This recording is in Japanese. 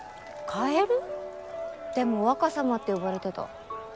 でも「若様」って呼ばれてた。